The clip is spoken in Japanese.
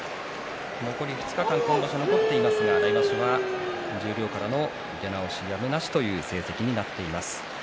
残り２日間今場所残っていますが来場所は十両からの出直しやむなしという成績になっています。